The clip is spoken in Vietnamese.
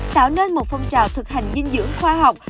tạo nên một phong trào thực hành dinh dưỡng khoa học